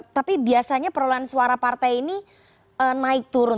tapi biasanya perolahan suara partai ini naik turun